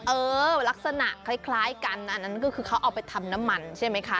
เออลักษณะคล้ายกันอันนั้นก็คือเขาเอาไปทำน้ำมันใช่ไหมคะ